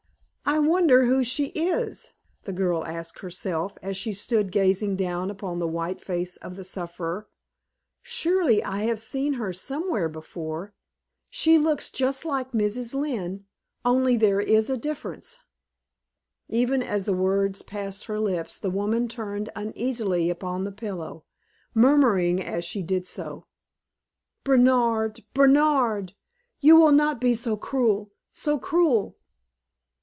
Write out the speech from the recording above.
"I wonder who she is?" the girl asked herself, as she stood gazing down upon the white face of the sufferer. "Surely I have seen her somewhere before. She looks just like Mrs. Lynne, only there is a difference." Even as the words passed her lips, the woman turned uneasily upon the pillow, murmuring as she did so: "Bernard! Bernard! You will not be so cruel so cruel!"